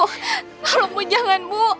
tolongmu jangan bu